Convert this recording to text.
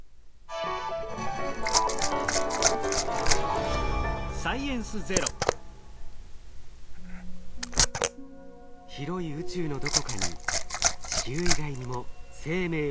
広い宇宙のどこかに地球以外にも生命を宿した天体はあるのか？